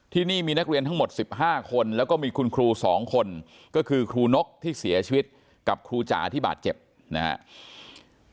ที่นี่มีนักเรียนทั้งหมด๑๕คนแล้วก็มีคุณครู๒คนก็คือครูนกที่เสียชีวิตกับครูจ๋าที่บาดเจ็บนะครับ